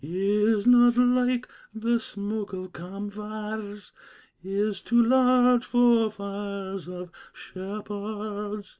Is not like the smoke of camp fires, Is too large for fires of shepherds!"